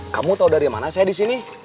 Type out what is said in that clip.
kamu tau dari mana saya disini